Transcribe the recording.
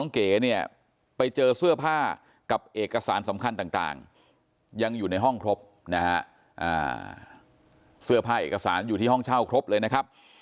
เก๋เนี่ยไปเจอเสื้อผ้ากับเอกสารสำคัญต่างยังอยู่ในห้องครบนะฮะเสื้อผ้าเอกสารอยู่ที่ห้องเช่าครบเลยนะครับ